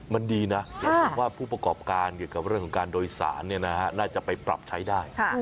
มันดีนะแล้วผมว่าผู้ประกอบการเกี่ยวกับเรื่องของการโดยสารน่าจะไปปรับใช้ได้